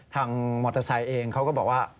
ทางมอเตอร์ไซค์เองเขาก็บอกว่า